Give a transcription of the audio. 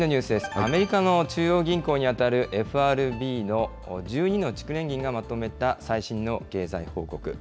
アメリカの中央銀行に当たるＦＲＢの１２の地区連銀がまとめた、最新の経済報告。